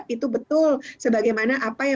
itu betul sebagaimana apa yang